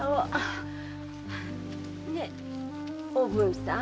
ねえおぶんさん。